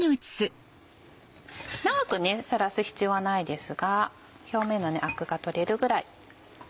長くさらす必要はないですが表面のアクが取れるぐらい。